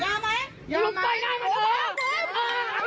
โอ้ยโอ้ยโอ้ย